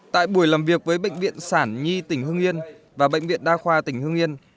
tại buổi làm việc với bệnh viện sản nhi tỉnh hưng yên và bệnh viện đa khoa tỉnh hưng yên